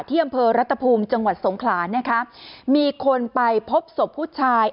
อำเภอรัฐภูมิจังหวัดสงขลานะคะมีคนไปพบศพผู้ชาย